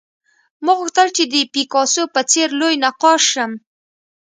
ما غوښتل چې د پیکاسو په څېر لوی نقاش شم